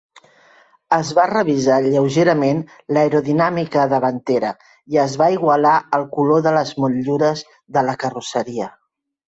Es va revisar lleugerament l'aerodinàmica davantera i es va igualar el color de les motllures de la carrosseria.